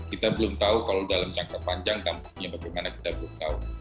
kita belum tahu kalau dalam jangka panjang tampaknya bagaimana kita belum tahu